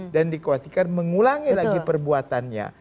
dikhawatirkan mengulangi lagi perbuatannya